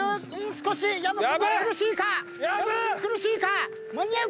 少し薮君が苦しいか⁉薮君苦しいか⁉間に合うか？